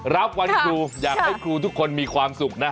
รับวันครูอยากให้ครูทุกคนมีความสุขนะ